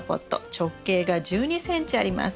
直径が１２ｃｍあります。